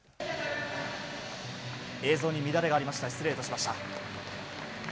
映像に乱れがありました失礼致しました。